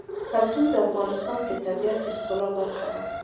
کلتور د افغانستان د طبیعت د ښکلا برخه ده.